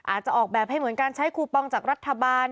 อาจจะออกแบบให้เหมือนการใช้คูปองจากรัฐบาล